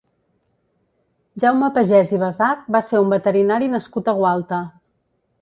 Jaume Pagès i Basach va ser un veterinari nascut a Gualta.